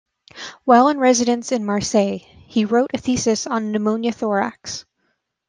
While in residence in Marseille he wrote a thesis on pneumothorax.